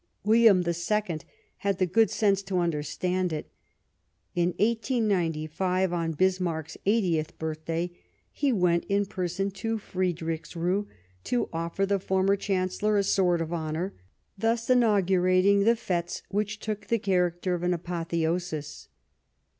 Wil liam II had the good taste to understand it. In 1895, on Bismarck's eightieth birthday, he went in person to Friedrichsruh to offer the former Chan cellor a sword of honour, thus inaugurating the fetes which took the character of an apotheosis.